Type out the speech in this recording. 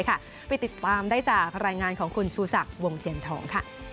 ไปติดตามได้จากรายงานของคุณชูศักดิ์วงเทียนทอง